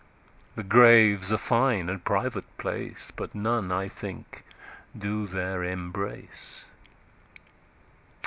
The Grave's a fine and private place, But none I think do there embrace.